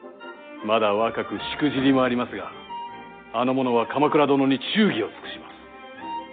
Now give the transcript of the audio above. まだ若くしくじりもありますがあの者は鎌倉殿に忠義を尽くします。